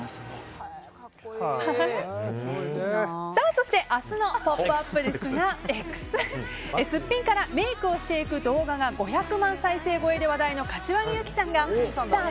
そして明日の「ポップＵＰ！」はすっぴんからメイクをしていく動画が５００万回再生超えで話題の柏木由紀さんがスター☆